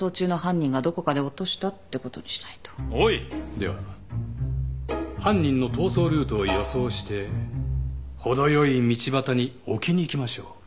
では犯人の逃走ルートを予想して程よい道端に置きに行きましょう。